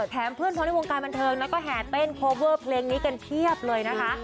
เพื่อนพ้องในวงการบันเทิงนะก็แห่เต้นโคเวอร์เพลงนี้กันเพียบเลยนะคะ